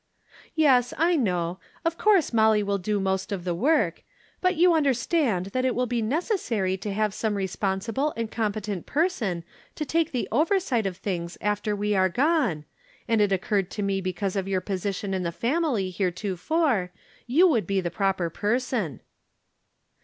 " Yes, I know. Of course Molly wiU do most of the work ; but you understand that it will be necessary to have some responsible and competent person to take the oversight of things after we are gone, and it occurred to me because of your position in the family heretofore you would be the proper person."